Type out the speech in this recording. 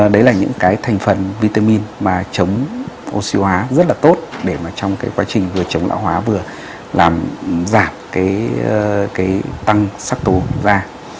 đấy là những cái thành phần vitamin mà chống oxy hóa rất là tốt để mà trong cái quá trình vừa chống lão hóa vừa làm giảm cái tăng sắc tù da